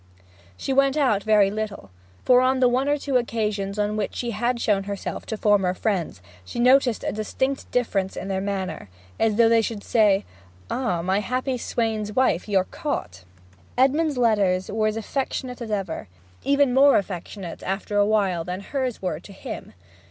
She went out very little; for on the one or two occasions on which she had shown herself to former friends she noticed a distinct difference in their manner, as though they should say, 'Ah, my happy swain's wife; you're caught!' Edmond's letters were as affectionate as ever; even more affectionate, after a while, than hers were to him.